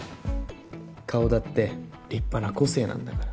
顔だって立派な個性なんだから。